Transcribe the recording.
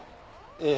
ええ。